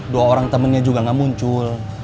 dua orang temennya juga nggak muncul